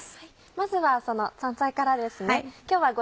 まずはその香菜からです。